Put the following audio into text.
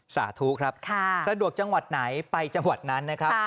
สาธุครับสะดวกจังหวัดไหนไปจังหวัดนั้นนะครับ